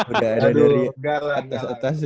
udah ada dari atas atas ya